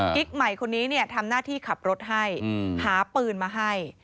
กิ๊กใหม่คนนี้ทำหน้าที่ขับรถให้หาปืนมาให้